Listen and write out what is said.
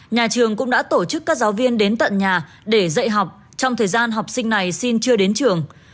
nhà trường cũng đã tổ chức các giáo viên đến tận nhà để dạy học trong thời gian học sinh này xin chưa đến trường